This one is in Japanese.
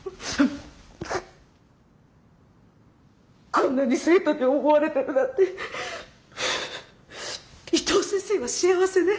こんなに生徒に思われてるなんて伊藤先生は幸せね。